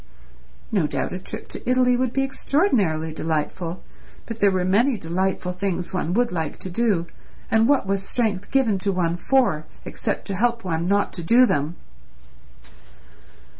No doubt a trip to Italy would be extraordinarily delightful, but there were many delightful things one would like to do, and what was strength given to one for except to help one not to do them?